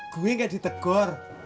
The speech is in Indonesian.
gue gak di tegur